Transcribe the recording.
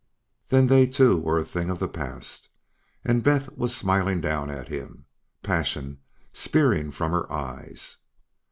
Then they too were a thing of the past, and Beth was smiling down at him, passion spearing from her eyes.